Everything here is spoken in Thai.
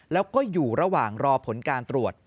แล้วก็อยู่ระหว่างรอผลการตรวจ